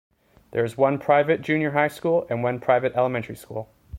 There is one private junior high school and one private elementary school.